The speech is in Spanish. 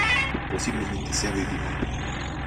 Posiblemente sea vivípara.